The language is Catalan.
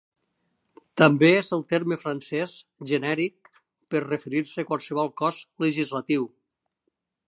També és el terme francès genèric per referir-se a qualsevol cos legislatiu.